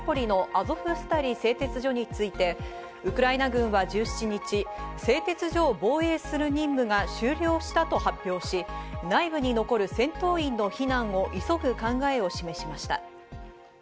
ロシア軍が包囲する、ウクライナ南東部マリウポリのアゾフスタリ製鉄所について、ウクライナ軍は１７日、製鉄所を防衛する任務が終了したと発表し、内部に残る戦闘員の避難を急ぐ考えを示しました。